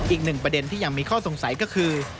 อีกหนึ่งประเด็นที่ยังมีข้อสงสัยก็คือ